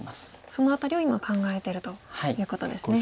その辺りを今考えるということですね。